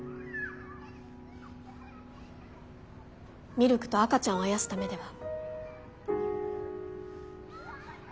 ミルクと赤ちゃんをあやすためでは？